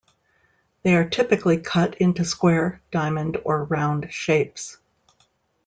They are typically cut into square, diamond, or round shapes.